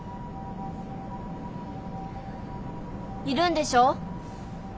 いるんでしょ？